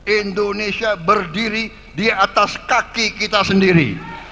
indonesia berdiri di atas kaki kita sendiri